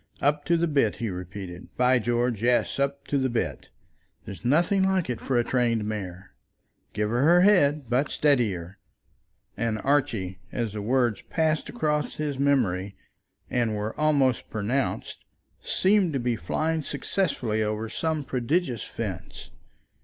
"Up to the bit," he repeated; "by George, yes; up to the bit. There's nothing like it for a trained mare. Give her head, but steady her." And Archie, as the words passed across his memory and were almost pronounced, seemed to be flying successfully over some prodigious fence.